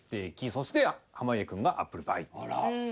そして濱家くんが「アップルパイ」。